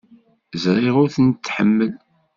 Ẓriɣ ur ten-tḥemmel.